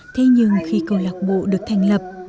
thế nhưng khi cầu lạc bộ được thành lập